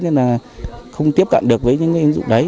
nên là không tiếp cận được với những cái ứng dụng đấy